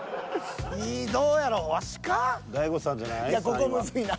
ここむずいな。